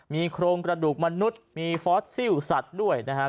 มีโครงกระดูกมนุษย์มีฟอสซิลสัตว์ด้วยนะครับ